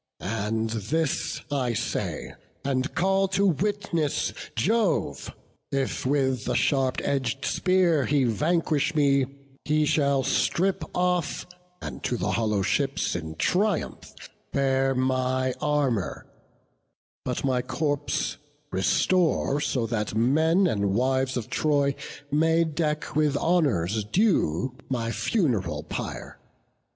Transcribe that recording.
And this I say, and call to witness Jove, If with the sharp edg'd spear he vanquish me, He shall strip off, and to the hollow ships In triumph bear my armour; but my corpse Restore, that so the men and wives of Troy May deck with honours due my funeral pyre.